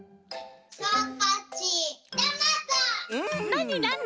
なになに？